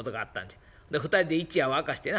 ２人で一夜を明かしてな